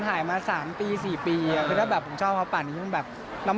ถ่ายมาสามปีสี่ปีอ่ะคือถ้าแบบผมชอบเขาป่ะนี้ยังแบบเรา